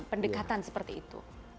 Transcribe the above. pendekatan seperti itu